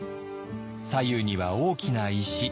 左右には大きな石。